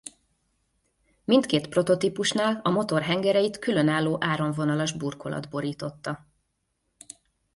Mindkét prototípusnál a motor hengereit különálló áramvonalas burkolat borította.